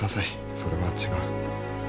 それは違う。